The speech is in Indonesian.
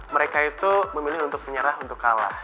mereka itu memilih untuk menyerah untuk kalah